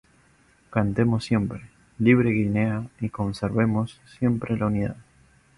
Cantemos siempre, Libre Guinea, y conservemos siempre la unidad.